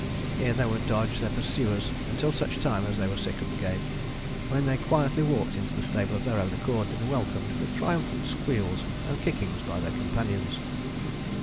Here they would dodge their pursuers until such time as they were sick of the game, when they quietly walked into the stable of their own accord to be welcomed with triumphant squeals and kickings by their companions.